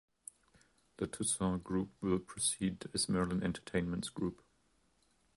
The Tussauds Group will proceed as Merlin Entertainments Group.